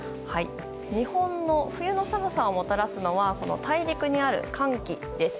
日本の冬の寒さをもたらすのは大陸にある寒気です。